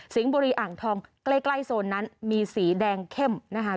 บุรีอ่างทองใกล้โซนนั้นมีสีแดงเข้มนะคะ